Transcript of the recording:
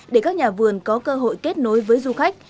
để các nhà vườn có cơ hội kết nối với du khách